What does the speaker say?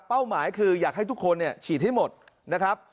หมายคืออยากให้ทุกคนเนี่ยฉีดให้หมดนะครับ